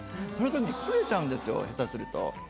そのときに焦げちゃうんですよ、下手すると。